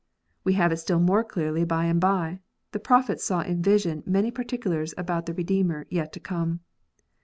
We have it still more clearly by and by : the Prophets saw in vision many particulars about the Redeemer yet to come.